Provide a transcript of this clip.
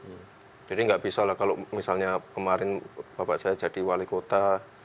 jadi nggak bisa lah kalau misalnya kemarin bapak saya jadi wali kota